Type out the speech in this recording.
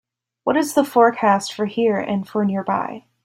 what is the forecast for here and for nearby